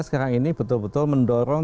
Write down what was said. sekarang ini betul betul mendorong